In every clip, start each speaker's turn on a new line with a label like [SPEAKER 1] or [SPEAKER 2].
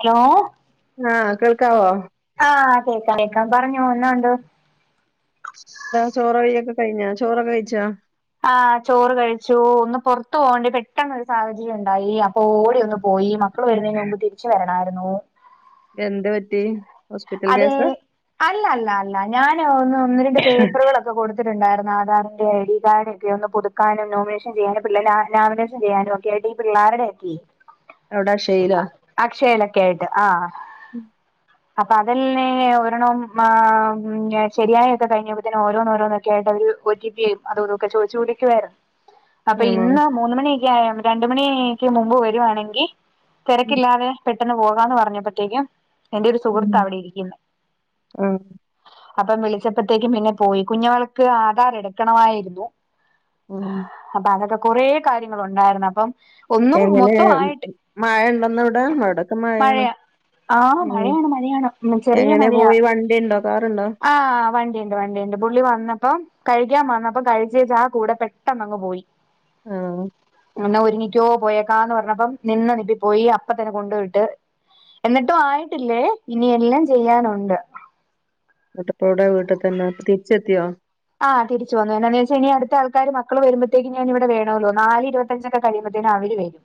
[SPEAKER 1] Hello
[SPEAKER 2] ആഹ് കേൾക്കാവോ
[SPEAKER 1] ആഹ് കേക്കാം കേക്കാം പറഞ്ഞോ എന്നാ ഒണ്ട്
[SPEAKER 2] ആഹ് ചോറഴിക്കെ കഴിഞ്ഞാ ചോറൊക്കെ കഴിച്ചോ?
[SPEAKER 1] ആ് ചോറ് കഴിച്ചു ഒന്ന് പുറത്തു പോകേണ്ടി പെട്ടെന്നൊ ഒരു സാഹചര്യം ഉണ്ടായി അപ്പൊ ഓടി ഒന്ന് പോയി.. മക്കള് വരുന്നേന് മുമ്പ് തിരിച്ചു വരണയായിരുന്നു
[SPEAKER 2] എന്ത് പറ്റി ഹോസ്പിറ്റൽ
[SPEAKER 1] അതേ
[SPEAKER 2] കേസ്
[SPEAKER 1] അല്ല അല്ല അല്ല ഞാന് ഒന്ന് ഒന്ന് രണ്ട് പേപ്പറുകളൊക്കെ കൊടുത്തിട്ടുണ്ടായിരുന്നു ആധാറിന്റെ ഐഡി കാർഡൊക്കെ ഒന്ന് പുതു ക്കാനും നോമിനേഷൻ ചെയ്യാനും പിള്ളേരുടെ ആ നാമിനേഷൻ ചെയ്യാനും ഒക്കെയായിട്ട് ഈ പിള്ളാരെടെയൊക്കെ ഈ
[SPEAKER 2] എവിടാ അക്ഷയിലോ
[SPEAKER 1] അക്ഷയെലൊക്കെ ആയിട്ട് ആ ആ അപ്പൊ അതല്ലെ ഒരണം ഞാൻ ശരിയൊക്കെ കഴിഞ്ഞ്പത്തെ ഓരോന്ന് ഓരോന്നൊക്കെ ആയിട്ട് ഒരു ഒ ടി പിയും അതുമിതും ഒക്കെ ചോദിച്ചോണ്ട് ഇരികുവായിരുന്നു അപ്പൊ
[SPEAKER 2] ആണോ
[SPEAKER 1] ഇന്ന് മൂന്ന് മണിയൊക്കെ ആയ രണ്ട് മണിക്ക് മുമ്പ് വരുവാണെങ്കിൽ തിരക്കില്ലാതെ പെട്ട് പെട്ടെന്ന് പോകാന്ന് പറഞ്ഞപ്പോത്തേക്കും എന്റെ ഒരു
[SPEAKER 2] ഉം
[SPEAKER 1] സുഹൃത്ത് അവിടെ ഇരിക്കുന്നു
[SPEAKER 2] ആഹ്
[SPEAKER 1] അപ്പം വിളിച്ചപ്പത്തേക്ക് പിന്നെ പോയി കുഞ്ഞുങ്ങൾക്ക് ആധാർ എടുക്കണമായിരുന്നു
[SPEAKER 2] [unintelligible]
[SPEAKER 1] അപ്പൊ അതൊക്കെ കൊറ.... കാര്യങ്ങ ഉണ്ടായിരുന്നു അപ്പം ഒന്നും
[SPEAKER 2] എങ്ങനെ
[SPEAKER 1] മൊത്തം ആയിട്ട്
[SPEAKER 2] മഴ ഉണ്ടന്ന ഇവിട അവിടൊക്കെ മഴയാണ്
[SPEAKER 1] മഴയാ ആഹ്
[SPEAKER 2] ഉം
[SPEAKER 1] മഴയാണ് മഴയാണ്
[SPEAKER 2] എങ്ങനെ പോയി വണ്ടി ഉണ്ടോ കാറുണ്ടോ
[SPEAKER 1] ആ വണ്ടിയുണ്ട് വണ്ടിയുണ്ട് പുള്ളി വന്നപ്പം കഴിക്കാൻ വന്നപ്പ കഴിച്ചേച്ച് ആ കൂടെ പെട്ടെന്നങ്ങ് പോയി
[SPEAKER 2] ആഹ്
[SPEAKER 1] എന്നാ ഒരുങ്ങിക്കോ പോയ.. ക്കന്ന് പറഞ്ഞപ്പം നിന്ന് നിപ്പി പോയി അപ്പ തന്നെ കൊണ്ടുപോയിട്ട് എന്നിട്ടും ആയി്. കേ ട്ടില്ലേ ഇനി എല്ലാം ചെയ്യാനുണ്ട്
[SPEAKER 2] എന്നിട്ട് ഇപ്പൊ എവിടെ വീട്ടിൽ തന്നെ തിരിച്ചെത്തിയോ?
[SPEAKER 1] ആ തിരിച്ച വന്നു എന്നാന്ന് വെച്ചാ ഇനി അടുത്ത ആൾക്കാര് മക്കൾ വരുമ്പഴത്തേക്ക് ഞാൻ ഇവി വേണല്ലോ നാല് ഇരുപ കഴിച്ചൊക്കെ കഴിയ്പത്തേന് അവര് വരും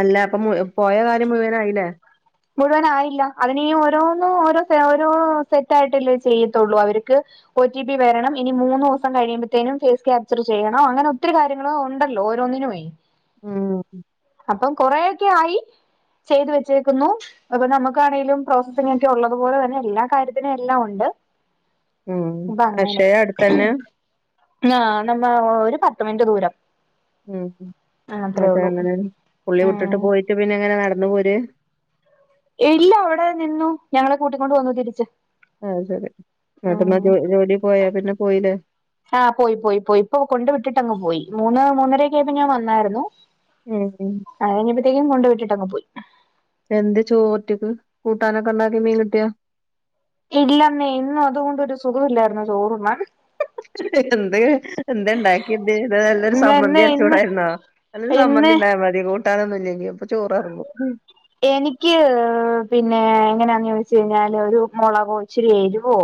[SPEAKER 2] അല്ല അപ്പൊ പോയ കാര്യം മുഴുവനായില്ലേ.
[SPEAKER 1] മുഴുവനായില്ല അതിനും ഓരോന്നും ഓരോ സേവനവും സെറ്റ് ആയിട്ടല്ലേ ചെയ്യത്തുള്ളൂ അവർക്ക് ഒടി പി വരണം ഇനി മൂന്ന് ദിവസം കഴിയുമ്പഴത്തേനും ഫേസ് ക്യാപ്ചർ ചെയ്യണം അങ്ങനെ ഒത്തിരി കാര്യ ഉണ്ടല്ലോ ഓരോന്നിനു പോയി
[SPEAKER 2] ഉം
[SPEAKER 1] അപ്പം കൊറെയൊക്കെ ആയി ചെയ്ത് വെച്ച കുന്നു അപ്പ നമുക്കാണെങ്കിലും പ്രോസസി ഒക്കെ ഉള്ളതു പോലെ തന്നെ എല്ലാ കാര്യത്തിനും എല്ലാം ഉണ്ട്
[SPEAKER 2] ഉം
[SPEAKER 1] അപ്പൊ അങ്ങനെ
[SPEAKER 2] പക്ഷെ അടുത്തന്നെ
[SPEAKER 1] ആ നമ്മ ഒരു പത്ത് മിനിറ്റ് ദൂരം..
[SPEAKER 2] ഉം
[SPEAKER 1] ആ അത്രേ
[SPEAKER 2] മറ്റേ
[SPEAKER 1] ഉള്ളൂ
[SPEAKER 2] അങ്ങനെ പുള്ളി വിട്ടിട്ട്
[SPEAKER 1] ഉം
[SPEAKER 2] പോയിട്ട് പിന്നെ എങ്ങനെ നടന്ന പോര്...
[SPEAKER 1] ഇല്ല അവിടെ നിന്നു ഞങ്ങളെ കൂട്ടി കൊണ്ട് വന്നു തിരിച്ച്
[SPEAKER 2] ആഹ ശരി ന്നട്ട് തന്നെ
[SPEAKER 1] ഉം
[SPEAKER 2] ജോലി പോയ പിന്നെ പോയില്ലേ
[SPEAKER 1] ആഹ പോയി പോയി പോയി ഇപ്പൊ കൊണ്ട് വിട്ടിട്ടങ്ങ് പോയി മൂന്ന് മൂന്നരൊക്ക ആവുമ്പോം ഞാൻ വന്നായിരുന്നു
[SPEAKER 2] ഉം ഉം
[SPEAKER 1] അത് കഴിഞ്ഞപ്പോഴത്തേക്കും കൊണ്ട് വിട്ടിട്ടങ് പോയി
[SPEAKER 2] എന്ത് ചോറ്റ്ക്ക് കൂട്ടാനൊക്കെ ഉണ്ടാക്കി മീൻ കിട്ടിയോ
[SPEAKER 1] ഇല്ലന്നെ ഇന്ന് അതുകൊണ്ടൊരു സുഖം ഇില്ലായിരുന്നു ചോറുണ്ണാൻ
[SPEAKER 2] എന്ത്... എന്ത് ഉണ്ടാക്കിയണ്ട് ഇത് നല്ലൊരു
[SPEAKER 1] ഇന്ന് ഇന്ന്
[SPEAKER 2] ചമ്മന്തി
[SPEAKER 1] ഇന്ന്
[SPEAKER 2] അരച്ചൂടായിരുന്നോ. അല്ല
[SPEAKER 1] ഇന്ന്
[SPEAKER 2] സമ്മന്തി ഉണ്ടായാ മതി കൂട്ടാനൊന്നുല്ലെങ്കിൽ അപ്പൊ ചോററങ്ങു
[SPEAKER 1] എനിക്ക് പിന്നെ എങ്ങനാന്ന് ചോദിച്ച കഴിഞ്ഞാല് ഒരു മുളകൊ ഇച്ചിരി എരുവോ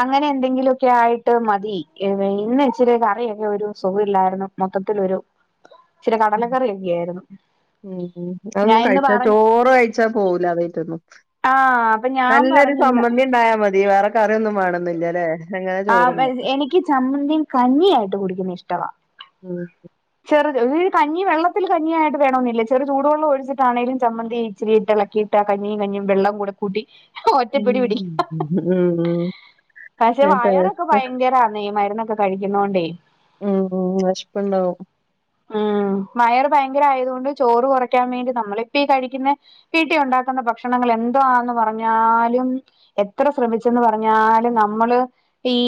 [SPEAKER 1] അങ്ങനെ എന്തെങ്കിലുമൊക്കെ ആയിട്ട് മതി ഇന്ന് ഇച്ചിരി കറിയൊക്കെ ഒരു സുഖം ഇല്ലായിരുന്നു. മൊത്തത്തിൽ ഒരു
[SPEAKER 2] ഉ
[SPEAKER 1] ഞാൻ
[SPEAKER 2] അതൊന്നും
[SPEAKER 1] ഇന്ന്
[SPEAKER 2] കഴിച്ച
[SPEAKER 1] പറഞ്ഞ്
[SPEAKER 2] ചോറ് കഴിച്ച.. ച്ച പോവൂലാ അതായ്ട്ടൊന്നും
[SPEAKER 1] ആഹ് അപ്പൊ ഞാൻ
[SPEAKER 2] നല്ലൊരു
[SPEAKER 1] പറഞ്ഞു ഇന്ന്
[SPEAKER 2] സംമ്മന്തി ഉണ്ടായാൽ മതി വേറെ കറിയൊന്നും വേണന്നില്ല അല്ലേ..
[SPEAKER 1] ആ എനിക്ക് ചമ്മന്തിയും കഞ്ഞിയയിട്ട് കുടിക്കുന്നു ഇഷ്ടവാ
[SPEAKER 2] ഉം
[SPEAKER 1] ചെറുത് ഒരു കഞ്ഞി വെള്ളത്തിൽ കഞ്ഞി ആയിട്ട് വേണമെന്നില്ല ചെറു ചൂട് വെള്ളം ഒഴിച്ചിട്ടാണേങ്കിലും ചമ്മന്തി ഇച്ചിരി ഇട്ടിളക്കി ട്ട് കഞ്ഞിയും കഞ്ഞിയും വെള്ളം കൂടെ കൂട്ടി ഒറ്റപ്പിടി പിടിക്കും
[SPEAKER 2] ഉ ഉം ഉ
[SPEAKER 1] പക്ഷെ വായറൊക്കെ ഭയങ്കരന്ന് ഈ മരുന്നൊക്കെ കഴിക്കുന്നോ ണ്ടേ
[SPEAKER 2] ഉം.. ഉം.. വിശപ്പുണ്ടാവും
[SPEAKER 1] ഉം മയർ ഭയങ്കര ആയതുകൊണ്ട് ചോറ് കുറയ്ക്കാൻ വേണ്ടി നമ്മളിപ്പീ ഈ കഴിക്കുന്ന വീട്ടിൽ ഒണ്ടാക്കുന്ന ഭക്ഷണങ്ങൾ എന്താന്ന് പറഞ്ഞാലും എത്ര ശ്രമിച്ചെന്ന് പറഞ്ഞാലും നമ്മള് ഈ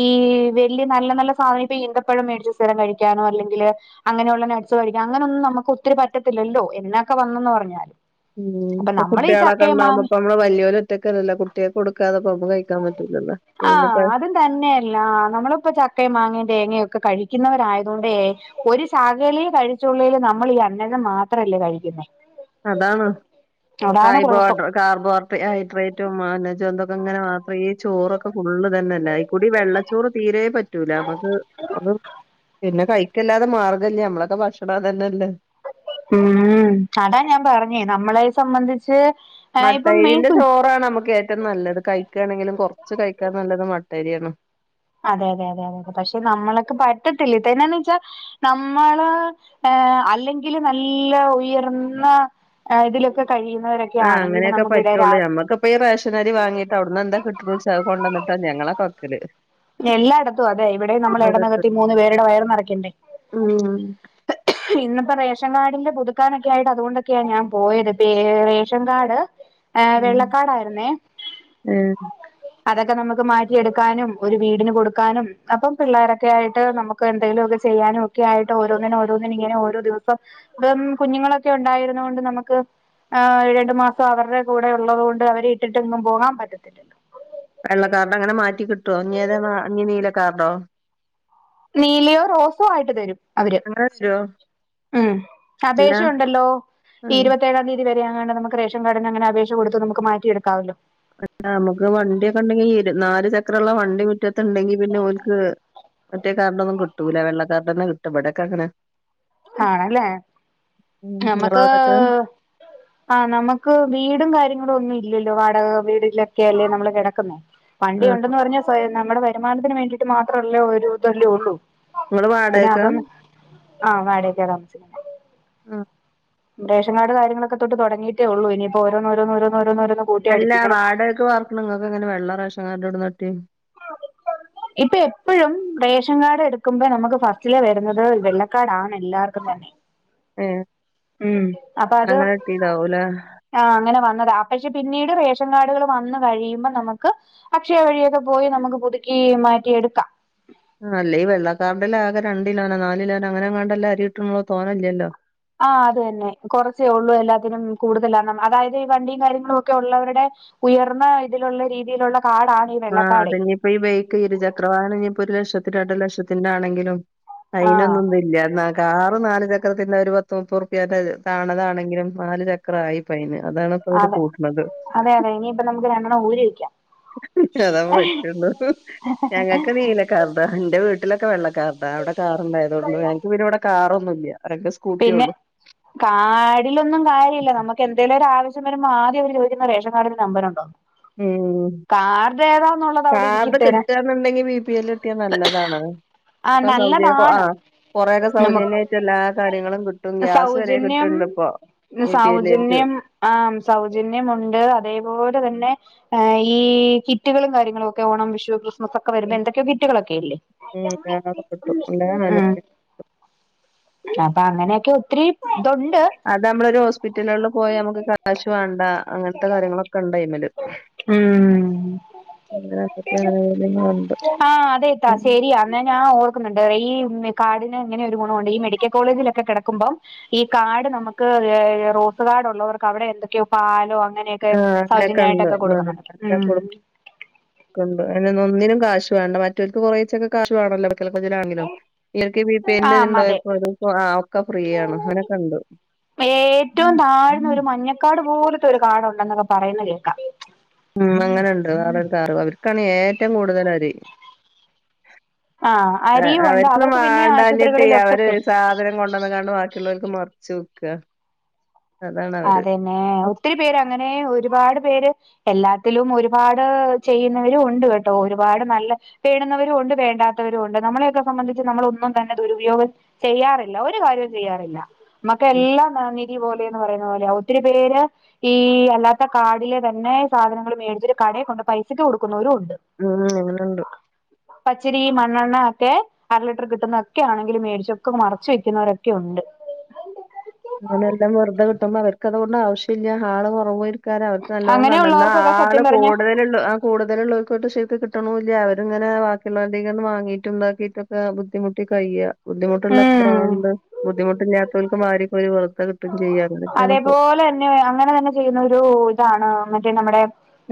[SPEAKER 1] വെല്ല്യ നല്ല നല്ല സാധനം ഇപ്പൊ ഈന്തപ്പഴം മേടിച് സ്ഥരം കഴിക്കാനോ അല്ലെങ്കിൽ അങ്ങനെ നട്സ് കഴിക്ക അങ്ങനൊന്നും നമുക്ക് ഒത്തിരി പറ്റത്തില്ലോ എന്നക്കെ വന്നന്ന് പറഞ്ഞാല്.
[SPEAKER 2] മം ഇപ്പ കുട്ടിയാളക്കെ ഇണ്ടാവുമ്പോ പ്പം നമ്മള് വല്യോലോറ്റക്ക് അല്ലാലോ കുട്ടിയെക്ക് കൊടുക്കാതെ നമ്മക്ക് കഴിക്കാൻ പറ്റൂലല്ലോ? പിന്നെപ്പ
[SPEAKER 1] ആഹ് അത തന്നെയല്ല നമ്മളിപ്പോ ചക്കയും മാങ്ങയും തേങ്ങൊക്കെ കഴിക്കുന്നവരായത് കൊണ്ടേ ഒരു സകലേം കഴിചോള്ളേൽ നമ്മൾ ഈ അന്നജം മാത്രല്ലേ കഴിക്കുന്നേ
[SPEAKER 2] അതാണ്
[SPEAKER 1] അതാണ്
[SPEAKER 2] കായ്
[SPEAKER 1] കുഴപ്പം
[SPEAKER 2] ബോഡർ കാർബോ ഹൈഡ്രേറ്റും അന്നജോ തോക്കെ അങ്ങനെ മാത്രമേ ഈ ചോറൊക്കെ ഫുള് തന്നെ അല്ലേ ഈ കൂടി വെള്ള ചൊറ് തീരേ പ പറ്റൂല നമ്മക്ക് അത് പിന്നെ കഴിക്കല്ലാതെ മാർഗല്ല നമ്മളൊക്കെ ഭക്ഷണം അത ന്നെല്ലേ
[SPEAKER 1] മം അതാ ഞാൻ പറഞ്ഞേ നമ്മളെ സംബന്ധിച്ച് ഏഹ് ഇപ്പം മെയിൻ
[SPEAKER 2] മട്ടഅയ്രിന്റെ
[SPEAKER 1] കു
[SPEAKER 2] ചോറാണ് നമുക്ക് ഏറ്റവും നല്ലത്. കഴിക്കാണെങ്കിലും കൊറച്ച് കഴിക്കാൻ നല്ലത് മട്ടരിയാണ്
[SPEAKER 1] അതെ അതെ അതെ അതെ അതെ പക്ഷെ നമ്മളക്ക് പറ്റത്തില്ല ഇതന്നെയാന്ന് വെച്ചാൽ നമ്മള് ഏഹ് അല്ലെങ്കിൽ നല്ല ഉയർന്ന ഇതിലൊക്കെ കഴിയുന്നവരൊക്കെ ആണെങ്കിലും നമുക്കിടെ
[SPEAKER 2] ഇപ്പയീ റേഷൻ അരി വാങ്ങീട്ട് അവിടുന്ന് എന്താ കിട്ട്ണെച്ചാ അത് കൊണ്ടന്ന്ട്ടാ ഞങ്ങളൊക്കെ വെക്കല്
[SPEAKER 1] എല്ലായിടത്തും അതെ ഇവിടെയും നമ്മൾ ഇടനകത്തി മൂന്ന് പേരുടെ വയറ് നിറയ്ക്കണ്ടേ
[SPEAKER 2] ഉം
[SPEAKER 1] ഇന്നിപ്പോ റേഷൻ കാർഡിന്റെ പുതുക്കാനൊക്കെ ആയിട്ട് അതുകൊണ്ടൊക്കെയാ ഞാൻ പോയത് പെ റേഷൻ കാർഡ് ഏഹ
[SPEAKER 2] ഉം
[SPEAKER 1] വെള്ളകാർഡ്ആയിര്ന്നേ
[SPEAKER 2] ഏഹ്
[SPEAKER 1] അതൊക്കെ നമുക്ക് മാറ്റിയെടുക്കാനും ഒരു വീടിന് കൊടുക്കാനും അപ്പം പിള്ളോരൊക്കെ ആയിട്ട് നമുക്ക് എന്തെങ്കിലുമോക്കെ ചെയ്യാനും ഒക്കെ ആയിട്ട് ട്ട് ഓരോന്നിനെ ഓരോന്നിനും ഇങ്ങനെ ഓരോ ദിവസം ഇം കുഞ്ഞുങ്ങളൊക്കെ ഉണ്ടായിരുന്ന കൊണ്ട് നമുക്ക് ആ രണ്ടു മാസം അവര്ടെ കൂടെ ഉള്ളത്കൊണ്ട് അവരെ ഇട്ടിട്ട് എങ്ങും പോകാൻ പറ്റത്തില്ലല്ലോ
[SPEAKER 2] വെള്ളക്കാർഡ് അങ്ങനെ മാറ്റി കിട്ടോ ഇന്ഞ് ഏതാ ഇഞ് നീലക്കാർഡോ
[SPEAKER 1] നീലയോ റോസോ ആയിട്ട് തരും അവര്
[SPEAKER 2] അങ്ങനെ തരോ
[SPEAKER 1] മം
[SPEAKER 2] അല്ല
[SPEAKER 1] അപേക്ഷ ഉണ്ടല്ലോ ഈ
[SPEAKER 2] ആഹ്
[SPEAKER 1] ഇരുപത്തിേഏഴാം തീയതി [unintelligible] നമുക്ക്റേഷൻ കാർഡന് അങ്ങന അപേക്ഷ കൊടുത്ത് നമുക്ക് മാറ്റിടുക്കാവല്ലോ
[SPEAKER 2] ആ നമുക്ക് വണ്ടിയൊക്കെ ഉണ്ടെങ്കിൽ നാല് ചക്രള്ള വണ്ടി മിറ്റത്തുണ്ടെങ്കി പിന്നെ ഓൽക്ക് മറ്റേ കാർഡൊന്നും കിട്ടുല്ല വെള്ള കാർഡന്നെ കിട്ടാ ഇവടൊക്കെ അങ്ങനെ
[SPEAKER 1] ആണല്ലേ
[SPEAKER 2] ഉം
[SPEAKER 1] ഞമ്മക്ക്
[SPEAKER 2] ഇങ്ങളവിടൊക്കെ
[SPEAKER 1] ആഹ് നമക്ക് വീടും കാര്യങ്ങളും ഒന്നും ഇല്ലല്ലോ, വാടക വീടിലൊക്കെ അല്ലേ നമ്മള് കിടക്ന്നേ വണ്ടി
[SPEAKER 2] ആഹ്
[SPEAKER 1] ഒണ്ടെന്ന് പറഞ്ഞാൽ നമ്മടെ വരുമാനത്തിന് വേണ്ടിയിട്ട് മാത്രമല്ലേ ഒരു തല്ല ഉള്ളൂ
[SPEAKER 2] ഇങ്ങൾ
[SPEAKER 1] പിന്നെ
[SPEAKER 2] വാടകക്കാ
[SPEAKER 1] അതൊന്ന് ആഹ് വാടയക്കാ താമസിക്കണേ
[SPEAKER 2] ആഹ
[SPEAKER 1] റേഷ കാർഡ് കാര്യങ്ങളൊക്കെതോട്ട് തോടങ്ങിയിട്ട ഉള്ളു ഇനിപ്പോ ഓരോന് ഓരോന്ന് ഓരോന്ന് ഓരോന്ന്
[SPEAKER 2] അല്ല വാടകക് പാർക്കണ നിങ്ങൾക്ക് എങ്ങനെ വെള്ളം റേഷൻ കാഡ് എവിടന കിട്ടിയേ
[SPEAKER 1] ഇപ്പൊ എപ്പോഴും റേഷൻ കാർഡ് എടുക്കുമ്പോ നമുക്ക് ഫസ്റ്റില് വരുന്നത് വെള്ളക്കാട ആണ് എല്ലാവർക്കും തന്നെ
[SPEAKER 2] ഉം
[SPEAKER 1] ഉം അപ്പൊ അത് ആ അങ്ങനെ വന്നതാ ആ പക്ഷെ പിന്നീട് റേഷൻ കാർഡുകൾ വന്ന കഴിയുമ്പോ നമുക്ക് അക്ഷയ വഴിയൊക്കെ പോയി നമുക്ക് പുതുക്കി മാറ്റിഎടുക്കാം
[SPEAKER 2] ആ അല്ല ഈ വെള്ളക്കാരുടെല്ല ആകെ രണ്ടിലോനോ നാലിലോനോ അങ്ങനെങ്ങാണ്ടല്ല അരിയിട്ടണള്ളോ തോന്നല്ലല്ലോ
[SPEAKER 1] ആ അത്തന്നെ കുറച്ചേ ഉള്ളൂ എല്ലാത്തിനും കൂടുതലണ്ണം അതായത് ഈ വണ്ടിയും കാര്യങ്ങളും ഒക്കെ ഉള്ളവരുടെ ഉയർന്ന ഇതിലുള്ള രീതിയിലുള്ള കാട
[SPEAKER 2] ആഹ് അതനിയിപ്പോ ഈ ബൈക്ക് ഇരുചക്രവാഹന ഇപ്പോ ഒരു ലക്ഷത്തി രണ്ട ലക്ഷത്തിന്റെ ആണെങ്കിലും
[SPEAKER 1] ആഹ്
[SPEAKER 2] അയിനൊന്നും ഒന്നും ഇല്ല എന്ന കാറ് നാല് ചക്രത്തിന്റെ ഒരു പത്ത് മുപ്പത് റുപ്യന്റെ താണതാണെങ്കിലും നാല് ചക്രായി പൈന് അതാണ് അവര്
[SPEAKER 1] അതെ
[SPEAKER 2] കൂട്ടണത്
[SPEAKER 1] അതെ അതെ ഇനിയിപ്പ നമ്മുക്ക് രണ്ടെണ്ണം ഊരിവെക്കാം
[SPEAKER 2] ഞങ്ങക്ക് നീല കാർഡാ എന്റെ വീട്ടിലൊക്കെ വെള്ള കാറണ്ടായതുകൊണ്ട് എനക്ക് പിന്നെവിടെ കാറൊന്നുല്ല്യ രണ്ട് സ്
[SPEAKER 1] പിന്നെ കാർഡിലൊന്നും കാര്യല്ല നമ്മ് ക്കെന്തേലും ഒരു ആവശ്യം വരുമ്പോ ആദ്യം അവര് ചോദിക്കുന്ന റേഷൻ കാർഡിന്റെ നമ്പരൊണ്ടൊ
[SPEAKER 2] ഉം
[SPEAKER 1] അവിടെ
[SPEAKER 2] കാർഡ്
[SPEAKER 1] ഇരിക്കട്ടെ
[SPEAKER 2] കിട്ടാന്നുണ്ടെങ്കിൽ ബി പി എൽ കിട്ടിയ നല്ലതാണ്.
[SPEAKER 1] ആ നല്ലതാണ്
[SPEAKER 2] കൊറെ ഒക്കെ
[SPEAKER 1] നമു
[SPEAKER 2] സൗജന്യായിട്ട് എല്ലാ കാര്യങ്ങളും കി
[SPEAKER 1] സൗജന്യം
[SPEAKER 2] ബി പി എല്ലാർക്ക്
[SPEAKER 1] സൗജന്യം ആ സൗജന്യമുണ്ട്. അതേപോലെ തന്നെ ഈ കിറ്റുകളും കാര്യങ്ങളൊക്കെ ഓണം വിഷു ക്രിസ് മസൊക്കെ വരുന്ന എന്തൊക്കെയോ കിറ്റുകളൊക്കെല്ലേ
[SPEAKER 2] ഉം അതൊക്കെ കിട്ടും എല്ലാ അനുഭവം
[SPEAKER 1] അപ്പൊ അങ്ങനെയൊക്കെ ഒത്തിരി ഇതൊണ്ട്
[SPEAKER 2] അത് നമ്മളൊരു ഹോസ്പിറ്റലള്ളില് പോയ നമുക്ക് കാശ് വേണ്ട അങ്ങനത്തെ കാര്യങ്ങളൊക്കെ ഒണ്ടൈമില്
[SPEAKER 1] ഉം
[SPEAKER 2] [unintelligible]
[SPEAKER 1] ത ശരി അന്നെ ഞാ ഓർ ഈ കാർഡിന് ഇങ്ങനൊരു ഗുണോണ്ട് ഈ മെഡിക്കൽ കോളേജിലൊക്കെ ക്കെടക്കുമ്പം ഈ കാർഡ് നമുക്ക് റോസ് കാർ ഡോള്ളോർക്ക് അവിടെ എന്തൊക്കെയോ പാലോ അങ്ങ നൊക്കെ
[SPEAKER 2] ആ അങ്ങനെയൊക്കെ ഉണ്ട്
[SPEAKER 1] സൗജന്യായിട്ടൊക്കെ കൊടുക്കുന്നുണ്ട് മ്
[SPEAKER 2] അയിനോന്നൊന്നിനും കാശു വേണ്ട മറ്റോൽക്ക് കൊറേച്ചേക്കെ കാശു വേണല്ലോ വെ ആഹ [unintelligible] ഇങ്ങക്കീ ബി പി എന്ന്
[SPEAKER 1] ആഹ് അതെ
[SPEAKER 2] [unintelligible] ഒക്കെ ഫ്രീയാണ് അങ്ങനെ ഒക്കെ ഉണ്ടു
[SPEAKER 1] ഏറ്റവും താഴ്ന്ന ഒരു മഞ്ഞക്കാർഡ് പോലത്തെ ഒരു കാർഡുണ്ടെന്നൊക്കെ പറയുന്ന കേക്കാം.
[SPEAKER 2] മ് അങ്ങനെയണ്ട് അവ രുക്കാണ് ഏറ്റവും കൂടുതലരി
[SPEAKER 1] ആഹ് അരിയും ഉണ്ട്
[SPEAKER 2] അവരുക്കും
[SPEAKER 1] അവർക്ക് പിന്നെ
[SPEAKER 2] വേണ്ടാഞ്ഞിട്ടെ അവര്
[SPEAKER 1] ആശുപത്രികളിലൊക്കെ
[SPEAKER 2] സാധനം കൊ നമുക്കല്ലാ ണ്ട് ബാക്കിയുളേളാൽക്ക് മറിച്ച് വിക്ക അതാണ് അവര്
[SPEAKER 1] പിന്നേ ഒത്തിരി പേര് അങ്ങനെ ഒരുപാട് പേര് എല്ലാത്തിലും ഒരുപാട് ചെയ്യുന്നവരുണ്ട് കേട്ടോ ഒരുപാട് നല്ല വേണുന്നവരും ഒണ്ട് വേണ്ടത്തവരും ഒണ്ട് നമ്മളെയൊക്കെ സംബന്ധിച്ച് നമ്മളൊന്നും തന്നെ ദുരുപയോഗം ചെയ്യാറില്ല ഒരു കാര്യവും ചെയ്യാറില്ല
[SPEAKER 2] ഉം
[SPEAKER 1] മ്മക്കെല്ലാം നിധി പോലെ പറയുന്ന പോലെയാ ഒത്തിരി പേര് ഈ അല്ലാത്ത കാർഡിലെ തന്നെ സാധനങ്ങൾ മേടിചിട്ട് ഇവർ കടയിൽ കൊണ്ട് പൈസക്ക് കൊടുക്കുന്നോരുണ്ട്
[SPEAKER 2] ഉം എങ്ങനെണ്ട്
[SPEAKER 1] പച്ചരി മണ്ണെണ്ണ ഒക്കെ അര ലിറ്റർ കിട്ടുന്നൊക്കെ ആണെങ്കിലും മേടിച്ചൊക്കെ മറച്ച് വിൽക്കുന്നവരൊക്കെ ഉണ്ട്
[SPEAKER 2] അങ്ങനെല്ലാം വെറുതെ കിട്ടുമ്പോ അവർക്കതുകൊണ്ടാവശ്യല്ല ആള് കൊറവുവാ അവർക്ക് നല്ലോം കണ്ടന്ന
[SPEAKER 1] അങ്ങനെയുള്ളവർക്കൊക്കെ
[SPEAKER 2] ആള്
[SPEAKER 1] സത്യം പറഞ്ഞ
[SPEAKER 2] കൂടുതലുള്ളൂ അ കൂടുതലുള്ളവർക്കൊട്ട് ശരിക്ക് കിട്ടണൂല്ല്യ അവരിങ്ങനെ ബാക്കിയുള്ളവരുടെങ്ങ്ന്ന് വാങ്ങയിട്ടും ണ്ടാക്കിട്ടും ബുദ്ധിമുട്ടി കയ്യ ബുദ്ധിമുട്ടുള്ള എത്ര
[SPEAKER 1] ഉം
[SPEAKER 2] ആള്ണ്ട് ബുദ്ധിമുട്ടില്ലാത്തോൽക്ക് വാരി കോരി വെർതെ കി
[SPEAKER 1] അതേപോലെ തന്നെ അങ്ങനെ തന്നെ ചെയ്യുന്ന ഒരു ഇതാണ് മറ്റേ നമ്മടെ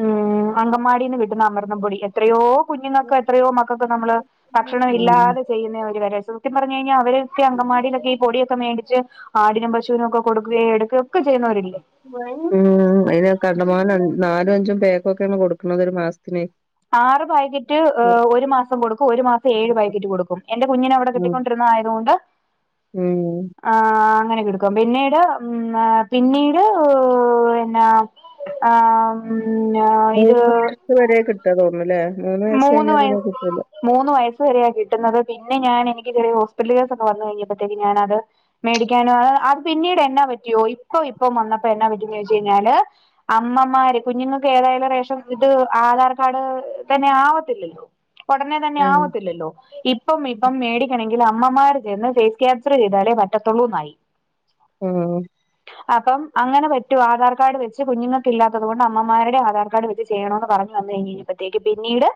[SPEAKER 1] ഉം അങ്കൻവാടിന്ന് കിട്ടുന്ന അമൃതം പൊടി എത്രയോ കുഞ്ഞുങ്ങക്ക് എത്രയോ മക്ക ക്ക് നമ്മള് ഭക്ഷണം
[SPEAKER 2] ഉം
[SPEAKER 1] ഇല്ലാതെ ചെയ്യുന്ന ഒരു കാര്യാ സത്യം പറഞ്ഞ് കഴിഞ്ഞാൽ അവരൊക്കെ അങ്കവാടിലൊക്കെ ഈ പൊടി യൊക്കെ ക്കെ ഒക്കെ മേടിച്ച് ആടിനും പശുനൊക്കെ കൊടുക്കുകയോ എടുക്കയോക്കെ ചെയ്യുന്നോ രില്ലേ
[SPEAKER 2] വൈൻ ക് അയിന് കണ്ടമാനം നാലും അഞ്ചും പേക്കൊക്കെ കൊടുക്കണുന്നത് ഒരു മാസത്തിന്
[SPEAKER 1] ആറ് പായ് ക്കറ്റ് ഒരു മാസം കൊടുക്കും ഒരു മാസം ഏഴ് പാക്കറ്റ് കൊടുക്കും എന്റെ കുഞ്ഞിനവിടെ കിട്ടി
[SPEAKER 2] ഉം
[SPEAKER 1] കൊണ്ടരുന്നതായതുകൊണ്ട്
[SPEAKER 2] ഉം
[SPEAKER 1] ആ അങ്ങനെ കിടുക്കും പിന്നീട് ഉ പിന്നീട് എന്നന്നാ ആ ഇത്
[SPEAKER 2] ത് വരെ കിട്ടാ തോന്നൂല്ലേ മൂന്ന് വയസ്സ് കഴിഞ്ഞാ പിന്നെ കിട്ടൂല
[SPEAKER 1] മൂന്ന് വയസ്സസ് വെരേയ കിട്ടുന്നത് പിന്നെ ഞാ എനിക്ക് ചെറിയ ഹോസ്പിറ്റലേഴസ് ഒക്കെ വന്നു കഴിഞ്ഞപ്പോഴത്തേ ഞാനത് മേടിക്കാനോ അ അത് പിന്നീട് എന്നാ പറ്റിയോ ഇപ്പൊ ഇപ്പം വന്നപ്പോ എന്നാ പറ്റുമ ചോദിച്ച കഴിഞ്ഞാല് അമ്മമാര് കുഞ്ഞുങ്ങൾക്ക് ഏതായാലും റേഷം ഇത് ആധാർ കാർഡ് തന്നെ ആവത്തില്ലല്ലോ ഉടനെ തന്നെ
[SPEAKER 2] ഉം
[SPEAKER 1] ആവത്തില്ലല്ലോ ഇപ്പം ഇപ്പം മേടിക്കണമെങ്കിൽ അമ്മമാര് ചെന്ന് ഫേസ് ക്യാൻസർ ചെയ്താലേ പറ്റത്തുള്ളൂന്നായി
[SPEAKER 2] ഉം
[SPEAKER 1] അപ്പം അങ്ങനെ പറ്റു ആധാർ കാർഡ് വെച്ച് കുഞ്ഞുങ്ങൾക്ക് ഇലാത്ത കൊണ്ട് അമ്മമാരുടെ ആധാർ കാർഡ് വെച്ച് ചെയ്യണന്ന് പറഞ്ഞു വന്ന് കഴിഞ്ഞപ്പോഴത്തേക്ക് പിന്നീട്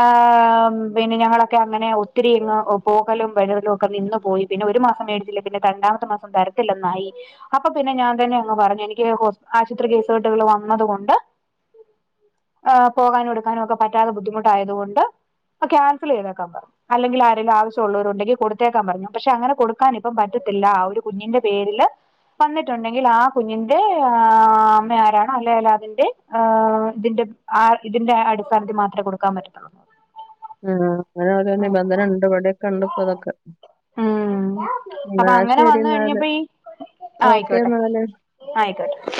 [SPEAKER 1] ഹ് പിന്നെ ഞങ്ങളൊക്കെ അങ്ങനെ ഒത്തിരിങ്ങ് പോകലും വരലും ഒക്കെ നിന്നു പോയി പിന്നെ ഒരു മാസം മേടത്തിലേൽ ല പിന്നെ രണ്ടാമത്തെ മാസം തരത്തില്ലന്നായി അപ്പൊ പിന്നെ ഞാൻ തന്നെ അങ്ങ് പറഞ്ഞു എനിക്ക് ആശുപത്രി കേസുകെട്ടുകൾ വന്നതുകൊണ്ട് ആ പോകാനും എടുക്കാനും ഒക്കെ പറ്റാതെ ബുദ്ധിമുട്ടായതുകൊണ്ട് ക്യാൻസൽ ചെയ്തേക്കാൻ പറഞ്ഞു അല്ലെങ്കിൽ ആരെലും ആവശ്യമുള്ളവരു ഉണ്ടെങ്കിൽ കൊടുത്തേക്കാൻ പറഞ്ഞു പക്ഷെ അങ്ങനെ കൊടുക്കൻ ഇപ്പം പറ്റത്തില്ല ആ ഒരു കുഞ്ഞിന്റെ പേരില് വന്നിട്ടുണ്ടെങ്കിൽ ആ കുഞ്ഞിന്റെ ആ അമ്മ ആരാണോ അല്ലെ അതിന്റെ ഇതിന്റെ ആ ഇതിന്റെ അടിസ്ഥാനത്തിൽ മാത്രമേ കൊടുക്കാൻ പറ്റത്തുള്ളൂ
[SPEAKER 2] ആ അങ്ങനെ ഓരോ നിബന്ധനണ്ട്ഇവിടൊക്കെ ഉണ്ട് ഇപ്പോ ഇതൊക്കെ
[SPEAKER 1] ഉം അപ്പൊ
[SPEAKER 2] എന്നാ
[SPEAKER 1] അങ്ങനെ
[SPEAKER 2] ശരി
[SPEAKER 1] വന്നു
[SPEAKER 2] എന്നാല്
[SPEAKER 1] കഴിഞ്ഞപ്പോ
[SPEAKER 2] ഓക്കെ എന്നാല്
[SPEAKER 1] ആയിക്കോട്ട